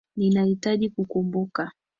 Ninahitaji kukumbuka